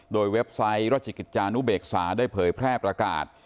โดยเว็บไซต์ราชกิจจานุเบกษาได้เผยแพร่ประกาศ